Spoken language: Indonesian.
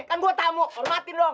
kan gue tamu hormatin dong